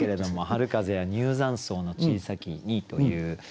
「春風や入山僧の小さき荷」という。